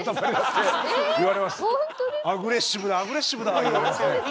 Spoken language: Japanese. アグレッシブだアグレッシブだ言われて。